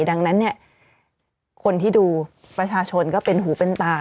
ดังนั้นเนี่ยคนที่ดูประชาชนก็เป็นหูเป็นตา